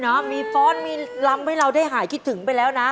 นะมีฟ้อนมีลำให้เราได้หายคิดถึงไปแล้วนะ